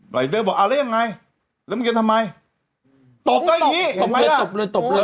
รายเดอร์บอกเอาแล้วยังไงแล้วมึงจะทำไมตบก็อย่างนี้ตบเลยตบเลยตบเลย